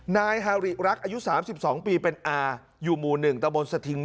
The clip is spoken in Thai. นายฮาริรักอายุ๓๒ปีเป็นอาอยู่หมู่๑ตะบนสถิง